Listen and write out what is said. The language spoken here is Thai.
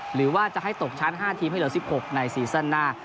หรือว่าจะให้ตกชั้น๕ทีมให้เหลือ๑๖ในซีซั่นหน้า